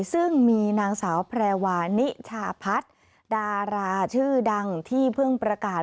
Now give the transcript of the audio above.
ซึ่งมีนางสาวแพรวานิชาพัฒน์ดาราชื่อดังที่เพิ่งประกาศ